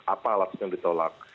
apa alatnya yang ditolak